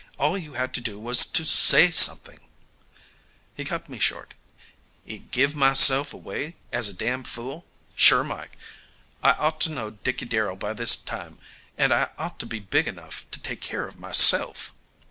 All you had to do was to say something " He cut me short. "And give myself away as a damn fool sure Mike. I ought to know Dickey Darrell by this time, and I ought to be big enough to take care of myself."